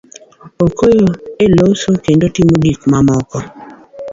okonyo e loso kendo timo gik moko